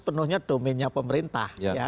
penuhnya domennya pemerintah